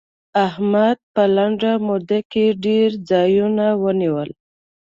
احمد په لنډه موده کې ډېر ځايونه ونيول.